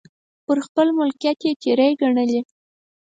پر خپل ملکیت یې تېری ګڼلی.